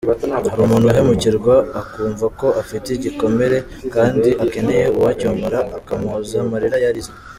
Hari umuntu uhemukirwa akumva ko afite igikomere kandi akeneye uwacyomora akamuhoza amarira yarize.